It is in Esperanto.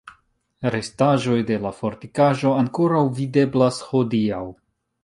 Restaĵoj de la fortikaĵo ankoraŭ videblas hodiaŭ.